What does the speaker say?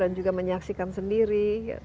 dan juga menyaksikan sendiri